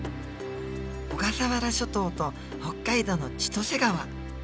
小笠原諸島と北海道の千歳川。